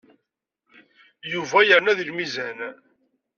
Yuba yerna deg lmizan.